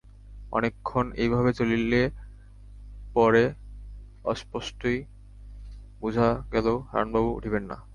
অনেকক্ষণ এইভাবে চলিলে পর স্পষ্টই বুঝা গেল হারানবাবু উঠিবেন না।